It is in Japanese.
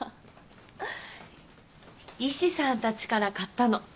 イシさんたちから買ったの。